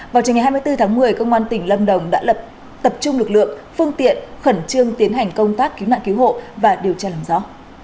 vào trường ngày hai mươi bốn tháng một mươi công an tỉnh lâm đồng đã lập tập trung lực lượng phương tiện khẩn trương tiến hành công tác cứu nạn cứu hộ và điều tra làm rõ